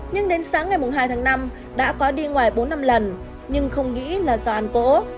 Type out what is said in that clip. nhưng đến sáng ngày hai tháng năm đã có đi ngoài bốn năm lần nhưng không nghĩ là do ăn cỗ